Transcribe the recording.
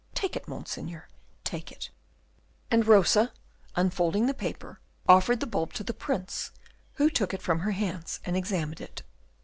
Take it, Monseigneur, take it." And Rosa, unfolding the paper, offered the bulb to the Prince, who took it from her hands and examined it.